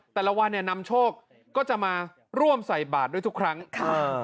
แต่ละวันเนี่ยนำโชคก็จะมาร่วมใส่บาทด้วยทุกครั้งค่ะ